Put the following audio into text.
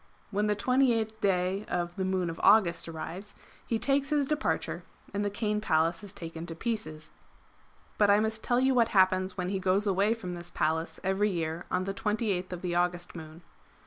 When the 28th day of [the Moon of] August arrives he takes his departure, and the Cane Palace is taken to pieces.^ But I must tell you what happens when he goes away from this Palace every year on the 28th of the August [Moon].